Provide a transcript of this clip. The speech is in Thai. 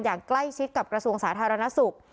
อย่างใกล้ชิดกับกระทรวงสาธารณสุข